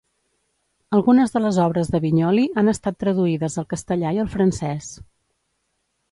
Algunes de les obres de Vinyoli han estat traduïdes al castellà i al francès.